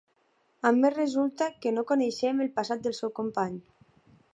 A més, resulta que no coneixem el passat del seu company.